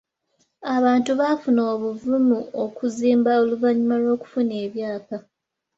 Abantu baafuna obuvumu okuzimba oluvannyuma lw'okufuna ebyapa.